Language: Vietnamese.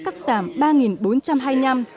cắt giảm ba bốn trăm hai mươi năm